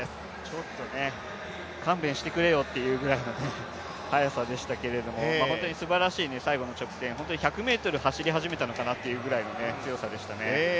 ちょっと勘弁してくれよというぐらいの速さでしたけどもすばらしい最後の直線、１００ｍ走り始めたのかなというくらいの強さでしたね。